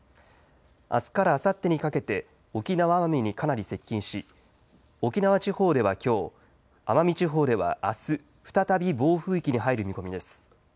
あすからあさってにかけて沖縄・奄美にかなり接近し沖縄地方ではきょう、奄美地方ではあす再び暴風域に入る見込みです。